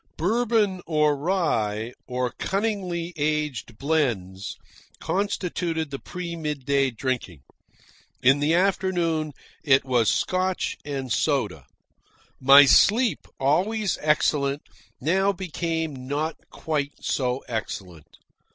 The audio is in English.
Bourbon or rye, or cunningly aged blends, constituted the pre midday drinking. In the late afternoon it was Scotch and soda. My sleep, always excellent, now became not quite so excellent.